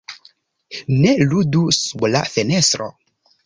"Ne ludu sub la fenestro!"